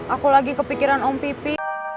aku lagi kepikiran om pipi